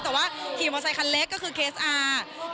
แต่ว่าขี่มอเซคันเล็กก็คือเคสอาร์